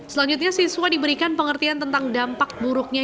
selanjutnya siswa diberikan pengertian tentang dampak buruknya